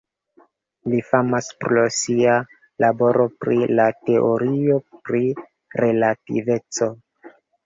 Li famas pro sia laboro pri la teorio pri relativeco.